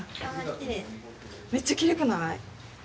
きれいめっちゃきれいくない！？